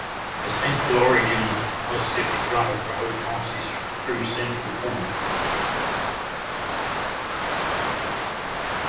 The Central Oregon and Pacific Railroad passes through Central Point.